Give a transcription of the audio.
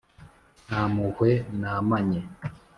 Ntampuhwe namanye